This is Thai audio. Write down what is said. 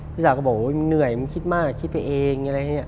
พี่สาวก็บอกว่ามันเหนื่อยมันคิดมากคิดไปเอง